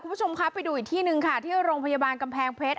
คุณผู้ชมครับไปดูอีกที่หนึ่งค่ะที่โรงพยาบาลกำแพงเพชร